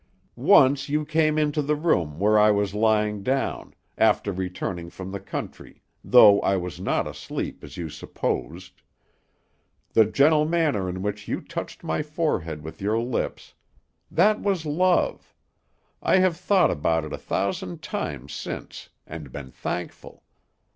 Once you came into the room where I was lying down, after returning from the country, though I was not asleep as you supposed. The gentle manner in which you touched my forehead with your lips; that was love I have thought about it a thousand times since, and been thankful.